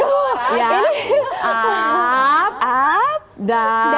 yowg heap kompas dari